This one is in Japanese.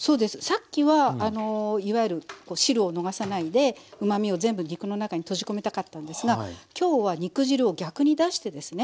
さっきはいわゆる汁を逃さないでうまみを全部肉の中に閉じ込めたかったんですが今日は肉汁を逆に出してですね